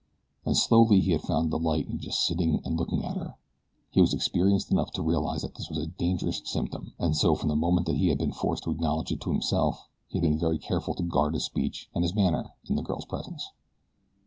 And slowly he had found delight in just sitting and looking at her. He was experienced enough to realize that this was a dangerous symptom, and so from the moment he had been forced to acknowledge it to himself he had been very careful to guard his speech and his manner in the girl's presence.